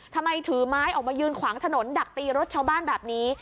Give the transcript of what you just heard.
ทำไมถือไม้ออกมายืนขวางถนนดักตีรถชาวบ้านแบบนี้